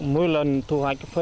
mỗi lần thu hoạch cà phê